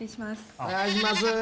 お願いします！